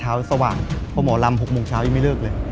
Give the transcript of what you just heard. และที่เล่นเช้าสว่านเพราะหมอลำ๖โมงเช้ายังไม่เริ่มเลย